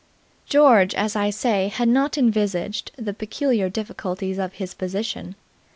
George, as I say, had not envisaged the peculiar difficulties of his position.